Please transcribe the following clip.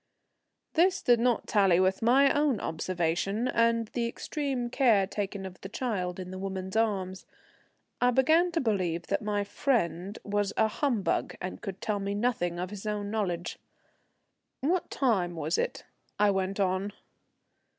This did not tally with my own observation and the extreme care taken of the child in the woman's arms. I began to believe that my friend was a humbug and could tell me nothing of his own knowledge. "What time was it?" I went on.